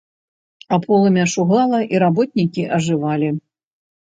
А полымя шугала, і работнікі ажывалі.